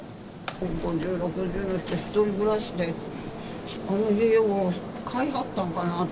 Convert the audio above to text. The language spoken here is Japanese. ５０、６０の１人暮らしであの家を買いはったんかなあと。